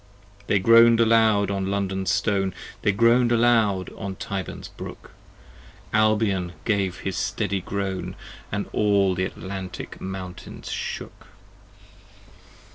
50 They groan'd aloud on London Stone, They groan'd aloud on Tyburn's Brook, Albion gave his deadly groan, And all the Atlantic Mountains shook.